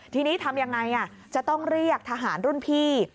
ทีนี้ทำยังไงจะต้องเรียกทหารรุ่นพี่